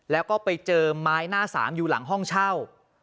แล้วก็ไปเจอไม้หน้าสามอยู่หลังห้องเช่า